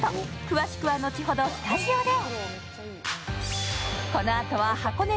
詳しくは後ほどスタジオで。